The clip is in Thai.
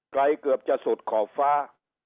เกือบจะสุดขอบฟ้า